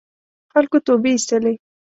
خلکو توبې اېستلې.